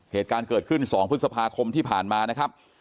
เหตุการณ์เกิดขึ้น๒พฤษภาคมที่ผ่านมานะครับ